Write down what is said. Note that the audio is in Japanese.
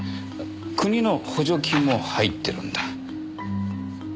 国の補助金も入ってるんだ。